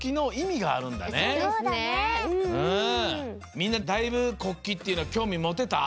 みんなだいぶ国旗っていうのきょうみもてた？